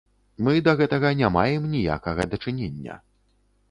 Мы да гэтага не маем ніякага дачынення.